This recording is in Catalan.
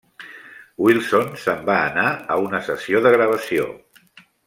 Wilson se'n va anar a una sessió de gravació.